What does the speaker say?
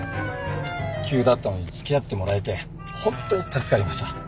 急だったのに付き合ってもらえてホントに助かりました。